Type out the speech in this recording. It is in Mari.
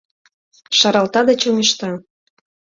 Шаралта да чоҥешта: